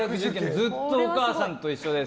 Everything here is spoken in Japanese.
ずっとお母さんと一緒です。